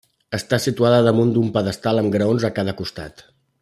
Està situada damunt un pedestal amb graons a cada costat.